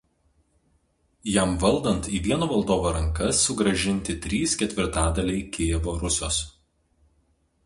Jam valdant į vieno valdovo rankas sugrąžinti trys ketvirtadaliai Kijevo Rusios.